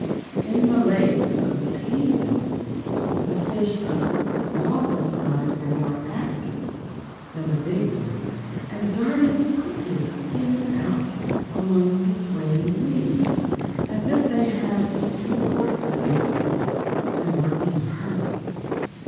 In the Lake of the Skeezers the fish of smaller size were more active than the big ones and darted quickly in and out among the swaying weeds, as if they had important business and were in a hurry.